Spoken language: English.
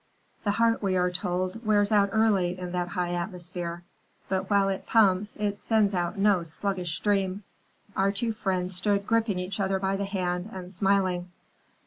The heart, we are told, wears out early in that high atmosphere, but while it pumps it sends out no sluggish stream. Our two friends stood gripping each other by the hand and smiling.